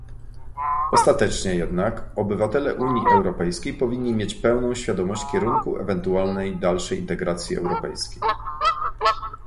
Ostatecznie jednak obywatele Unii Europejskiej powinni mieć pełną świadomość kierunku ewentualnej dalszej integracji europejskiej